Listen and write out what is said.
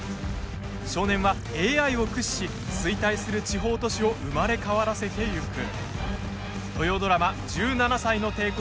少年はＡＩを駆使し衰退する地方都市を生まれ変わらせていく。